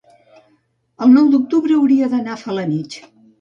El nou d'octubre hauria d'anar a Felanitx.